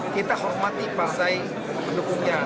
kita hormati pasai dukungnya